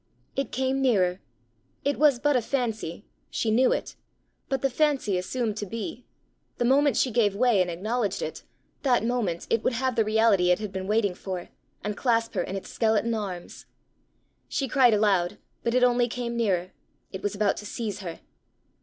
It came nearer. It was but a fancy; she knew it; but the fancy assumed to be: the moment she gave way, and acknowledged it, that moment it would have the reality it had been waiting for, and clasp her in its skeleton arms! She cried aloud, but it only came nearer; it was about to seize her!